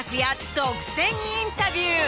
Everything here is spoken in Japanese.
独占インタビュー。